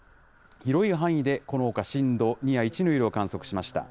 広い範囲でこのほか震度２や１の揺れを観測しました。